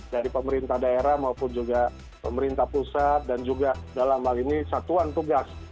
dari pemerintah daerah maupun juga pemerintah pusat dan juga dalam hal ini satuan tugas